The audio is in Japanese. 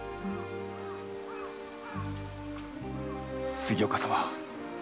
杉岡様。